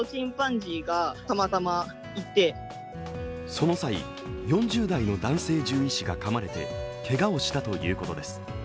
その際、４０代の男性獣医師がかまれてけがをしたということです。